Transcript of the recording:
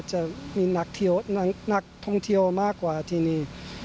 จะมีนักท่องเที่ยวมากกว่าที่นี่